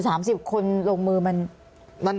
สามสิบคนลงมือมัน